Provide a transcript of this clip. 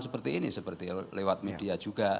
seperti ini seperti lewat media juga